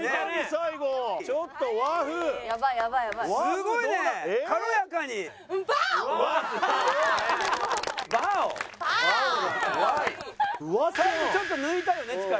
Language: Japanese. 最後ちょっと抜いたよね力。